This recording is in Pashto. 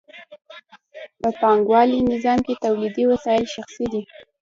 په پانګوالي نظام کې تولیدي وسایل شخصي دي